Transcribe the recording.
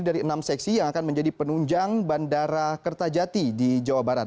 dari enam seksi yang akan menjadi penunjang bandara kertajati di jawa barat